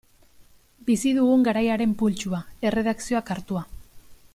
Bizi dugun garaiaren pultsua, erredakzioak hartua.